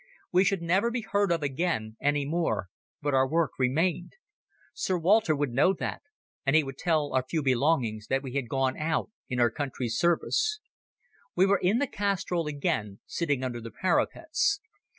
We should never be heard of again any more, but our work remained. Sir Walter would know that, and he would tell our few belongings that we had gone out in our country's service. We were in the castrol again, sitting under the parapets.